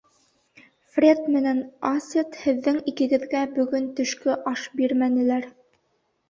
Фред менән Асет, һеҙҙең икегеҙгә бөгөн төшкө аш бирмәнеләр.